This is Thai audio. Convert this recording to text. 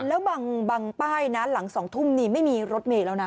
แล้วบางป้ายนะหลัง๒ทุ่มนี่ไม่มีรถเมย์แล้วนะ